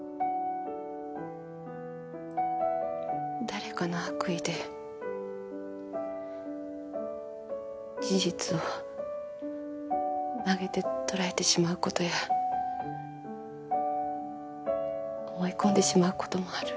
誰かの悪意で事実を曲げて捉えてしまうことや思い込んでしまうこともある。